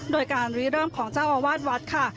โดยการรีเริ่มของเจ้าอาวาสวัดค่ะ